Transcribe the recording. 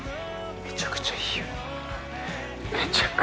めちゃくちゃいい湯！